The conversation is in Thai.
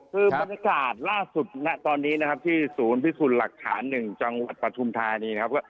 คือบรรยากาศล่าสุดณตอนนี้นะครับที่ศูนย์พิสูจน์หลักฐาน๑จังหวัดปฐุมธานีนะครับ